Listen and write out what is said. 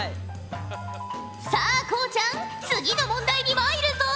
さあこうちゃん次の問題にまいるぞ！